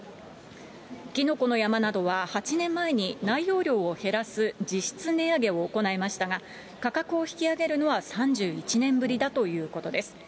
きのこの山などは、８年前に内容量を減らす実質値上げを行いましたが、価格を引き上げるのは３１年ぶりだということです。